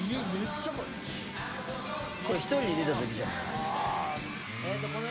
これ一人で出た時じゃん。